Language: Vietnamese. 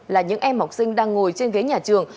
là những em học sinh đang ngồi trên ghế nhà trường